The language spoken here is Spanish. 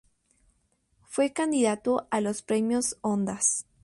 Fue candidato a los Premios Ondas.